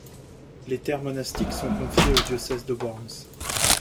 Les terres monastiques sont confiés au diocèse de Worms.